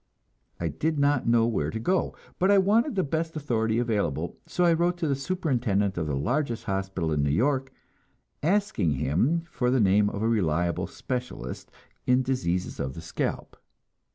I did not know where to go, but I wanted the best authority available, so I wrote to the superintendent of the largest hospital in New York, asking him for the name of a reliable specialist in diseases of the scalp.